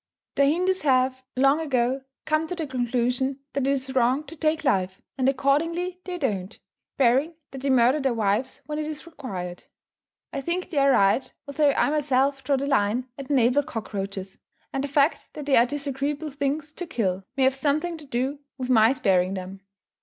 The Hindoos have, long ago, come to the conclusion that it is wrong to take life, and accordingly they don't barring that they murder their wives when it is required. I think they are right, although I myself draw the line at naval cockroaches; and the fact that they are disagreeable things to kill, may have something to do with my sparing them.